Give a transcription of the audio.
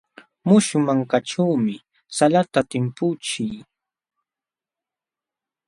Muśhuq mankaćhuumi salata timpuchii.